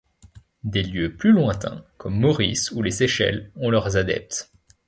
Des lieux plus lointains, comme Maurice ou les Seychelles ont leurs adeptes.